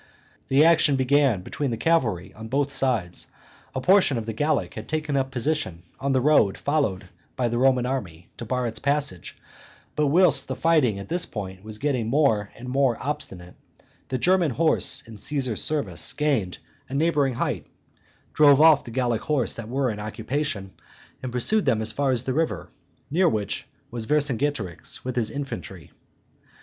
The action began between the cavalry on both sides; a portion of the Gallic had taken up position on the road followed by the Roman army, to bar its passage; but whilst the fighting at this point was getting more and more obstinate, the German horse in Caesar's service gained a neighboring height, drove off the Gallic horse that were in occupation, and pursued them as far as the river, near which was Vercingetorix with his infantry.